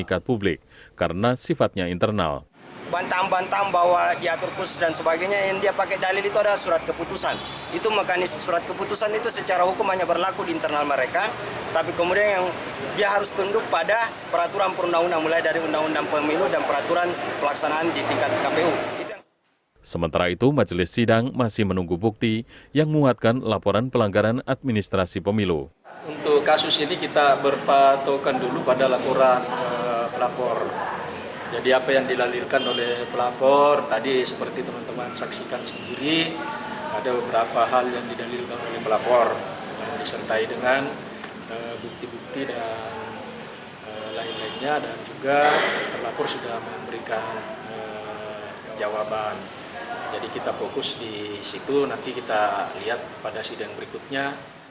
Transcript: jadi kita fokus di situ nanti kita lihat pada sidang berikutnya